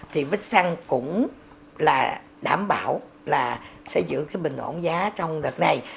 thì vích xăng cũng là đảm bảo là sẽ giữ cái bình ổn giá trong đợt này